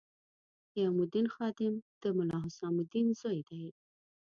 قیام الدین خادم د ملا حسام الدین زوی دی.